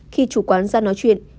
khi chủ quán ra nói chuyện